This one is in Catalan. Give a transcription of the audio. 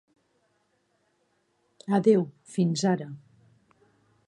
Adeu, fins ara.